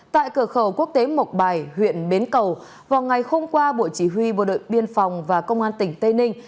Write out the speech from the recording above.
tại cửa khẩu quốc tế mộc bài huyện bến cầu vào ngày hôm qua bộ chỉ huy bộ đội biên phòng và công an tỉnh tây ninh